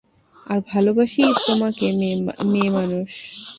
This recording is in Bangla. আর ভালোবাসি তোমাকে মেয়ে মানুষ!